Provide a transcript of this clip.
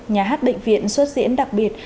nhà hát bệnh viện xuất diễn đặc biệt